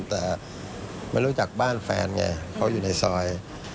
แต่ไม่รู้จักบ้านแฟนไงเขาอยู่ในซอย